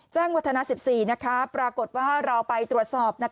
แจ้งวัฒนา๑๔นะครับปรากฏว่าเราไปตรวจสอบ